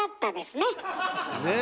ねえ？